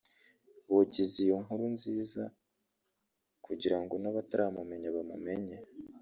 bogeza iyo nkuru nziza kugira ngo n’abataramumenya bamumenye